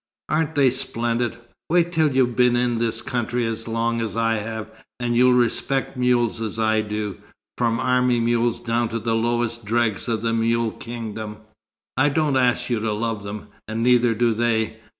Aren't they splendid? Wait till you've been in this country as long as I have, and you'll respect mules as I do, from army mules down to the lowest dregs of the mule kingdom. I don't ask you to love them and neither do they.